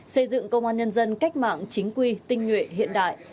xây dựng công an nhân dân cách mạng chính quy tinh nhuệ hiện đại